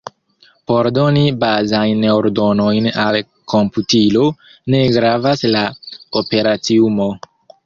Por doni bazajn ordonojn al komputilo, ne gravas la operaciumo.